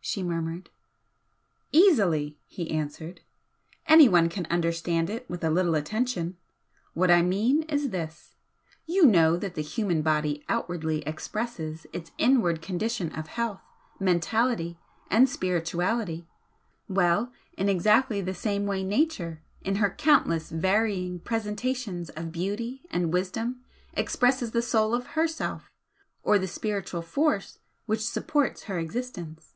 she murmured. "Easily!" he answered "Anyone can understand it with a little attention. What I mean is this, you know that the human body outwardly expresses its inward condition of health, mentality and spirituality well, in exactly the same way Nature, in her countless varying presentations of beauty and wisdom, expresses the Soul of herself, or the spiritual force which supports her existence.